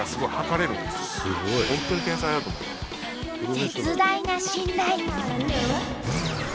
絶大な信頼！